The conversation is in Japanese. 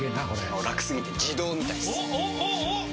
もう楽すぎて自動みたいっす。